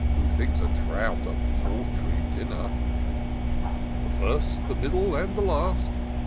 Who thinks a trout a paltry dinner* " The first, the middle, and the last.